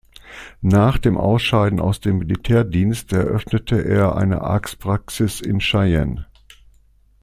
Nach dem Ausscheiden aus dem Militärdienst eröffnete er eine Arztpraxis in Cheyenne.